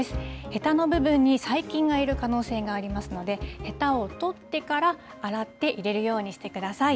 へたの部分に細菌がいる可能性がありますので、へたを取ってから、洗って入れるようにしてください。